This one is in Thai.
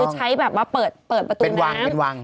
ใช้แบบว่าเปิดประตูน้ำเป็นวัง